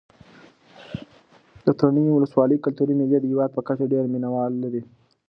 د تڼیو ولسوالۍ کلتوري مېلې د هېواد په کچه ډېر مینه وال لري.